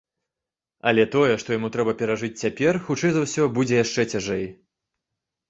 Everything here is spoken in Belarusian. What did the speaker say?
Але тое, што яму трэба перажыць цяпер, хутчэй за ўсё, будзе яшчэ цяжэй.